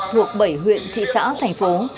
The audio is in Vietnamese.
thuộc bảy huyện thị xã thành phố